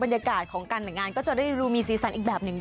บรรยากาศของกำเนินงานก็จะดูมีซีซั่นอีกแบบนึงด้วย